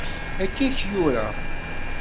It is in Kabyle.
Akka i k-yura.